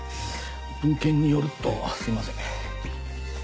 文献によるとすいません。